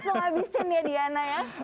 langsung habisin ya diana ya